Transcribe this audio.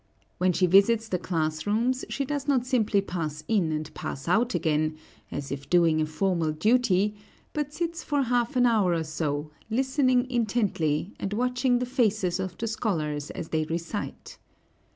When she visits the class rooms, she does not simply pass in and pass out again, as if doing a formal duty, but sits for half an hour or so listening intently, and watching the faces of the scholars as they recite.